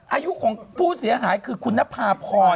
อายุของผู้เสียหายคือคุณนภาพร